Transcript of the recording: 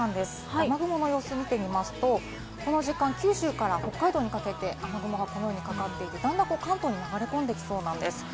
雨雲の様子を見ていきますと、この時間、九州から北海道にかけて雨雲がこのようにかかっていて、だんだん関東に流れ込んで来そうです。